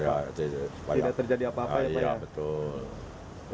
tidak terjadi apa apa ya pak ya